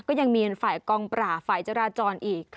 ก็ยังมีฝ่ายกองปราบฝ่ายจราจรอีก